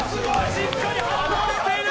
しっかり反応している！